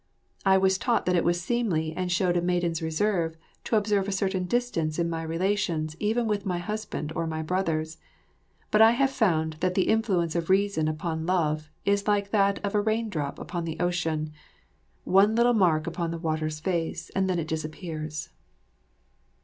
I was taught that it was seemly and showed a maidenly reserve to observe a certain distance in my relations even with my husband or my brothers, but I have found that the influence of reason upon love is like that of a raindrop upon the ocean, "one little mark upon the water's face and then it disappears."